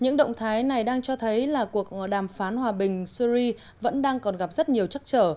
những động thái này đang cho thấy là cuộc đàm phán hòa bình syri vẫn đang còn gặp rất nhiều chắc trở